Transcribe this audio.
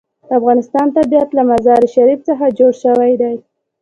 د افغانستان طبیعت له مزارشریف څخه جوړ شوی دی.